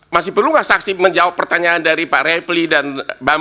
masih perlu enggak saksi menjawab pertanyaan dari pak reply dan bapak